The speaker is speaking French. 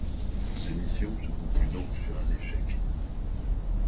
La mission se conclut donc sur un échec.